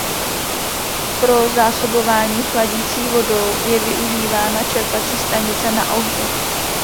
Pro zásobování chladicí vodou je využívána čerpací stanice na Ohři.